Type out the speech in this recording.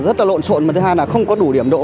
rất là lộn xộn thứ hai là không có đủ điểm đỗ